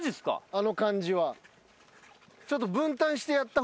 あの感じは。